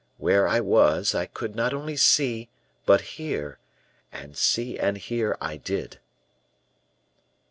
Where I was, I could not only see, but hear and see and hear I did."